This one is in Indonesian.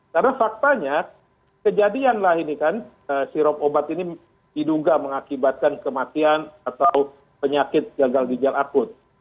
karena faktanya kejadian lah ini kan sirop obat ini diduga mengakibatkan kematian atau penyakit gagal ginjal akut